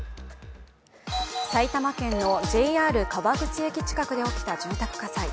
埼玉県のＪＲ川口駅近くで起きた住宅火災。